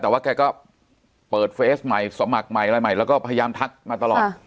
แต่ว่าแกก็เปิดเฟสใหม่สมัครใหม่อะไรใหม่แล้วก็พยายามทักมาตลอด